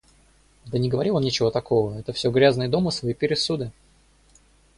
Да не говорил он ничего такого, это всё грязные домыслы и пересуды!